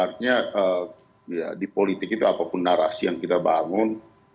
artinya di politik itu apapun narasi yang kita bangun